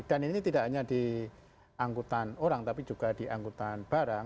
dan ini tidak hanya di angkutan orang tapi juga di angkutan barang